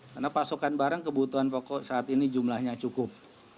karena pasokan barang kebutuhan pokok saat ini jumlahnya cukup